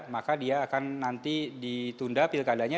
maka dia akan nanti ditunda pilkadanya